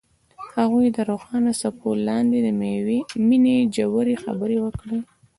هغوی د روښانه څپو لاندې د مینې ژورې خبرې وکړې.